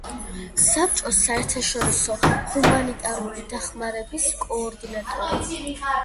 საბჭოს საერთაშორისო ჰუმანიტარული დახმარების კოორდინატორი.